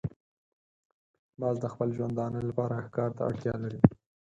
باز د خپل ژوندانه لپاره ښکار ته اړتیا لري